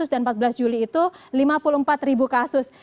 dan empat belas juli itu lima puluh empat kasus